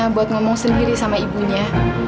buat ngomong sendiri sama ibunya